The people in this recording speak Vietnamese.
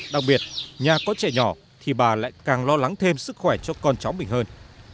đặc biệt nhà có trẻ nhỏ thì bà lại càng lo lắng thêm sức khỏe cho con cháu mình hơn